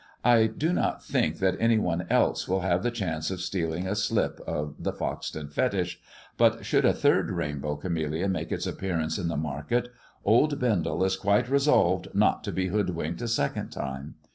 I do not think that any one else will have the chance of stealing a slip of the Foxton fetich, but should a third rainbow camellia make its appearance in the market, old Bendel is quite resolved not to be hood winked a second time.